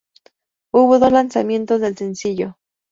Hubo dos lanzamientos del sencillo.